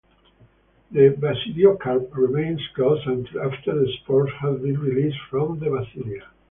The basidiocarp remains closed until after the spores have been released from the basidia.